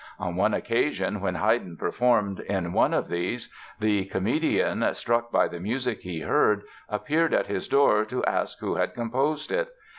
On one occasion, when Haydn performed in one of these, the comedian, struck by the music he heard, appeared at his door to ask who had composed it.